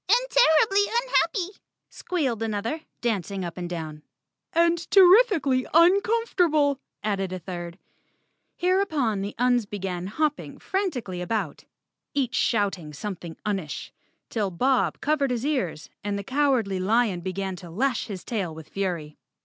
"And terribly unhappy," squealed another, dancing up and down. "And terrifically uncomfortable," added a third. Hereupon the Uns began hopping frantically about, 140 _ Chapter Ten each shouting something unish, till Bob covered his ears and the Cowardly lion began to lash his tail with fury.